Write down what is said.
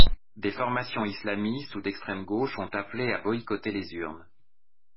Des formations islamistes ou d’extrême gauche ont appelé à boycotter les urnes.